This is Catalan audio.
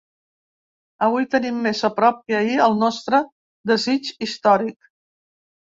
Avui tenim més a prop que ahir el nostre desig històric.